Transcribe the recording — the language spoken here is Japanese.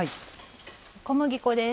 小麦粉です。